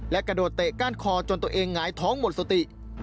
และกระโดดเตะก้านคอจนตัวเองหงายท้องหมดสติ